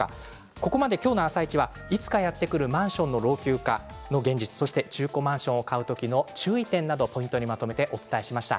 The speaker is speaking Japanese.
ここまで今日の「あさイチ」はいつかやってくるマンションの老朽化の現実や中古マンションを買う時の注意点などをまとめてお伝えしました。